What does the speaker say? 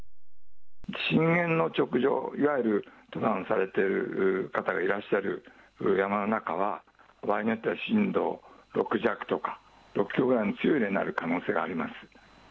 震源の直上、いわゆる登山されている方がいらっしゃる山の中は場合によっては、震度６弱とか、６強の強い揺れになる可能性があります。